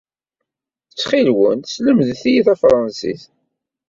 Ttxil-wen, slemdet-iyi tafṛansit.